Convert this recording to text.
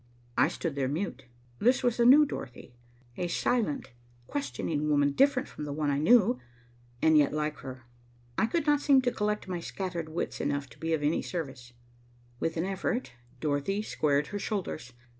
I stood there mute. This was a new Dorothy, a silent, questioning woman different from the one I knew, and yet like her. I could not seem to collect my scattered wits enough to be of any service. With an effort, Dorothy squared her shoulders.